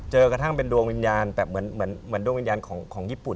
เจอกระทั่งเป็นดวงวิญญาณแบบเหมือนดวงวิญญาณของญี่ปุ่น